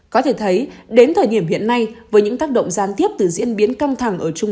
có thể thấy đến thời điểm hiện nay với những tác động gián tiếp từ diễn biến căng thẳng ở trung